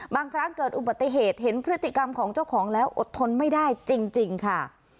บางครั้งเกิดอุบัติเหตุเห็นพฤติกรรมของเจ้าของแล้วอดทนไม่ได้จริงค่ะ